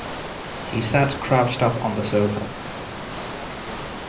He sat crouched up on the sofa.